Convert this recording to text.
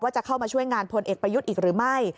จะเข้ามาช่วยงานพลเอกประยุทธ์อีกหรือไม่